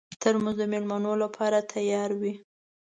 ترموز د مېلمنو لپاره تیار وي.